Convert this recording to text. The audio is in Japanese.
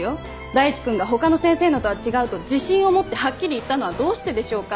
大地君が「他の先生のとは違う」と自信を持ってはっきり言ったのはどうしてでしょうか？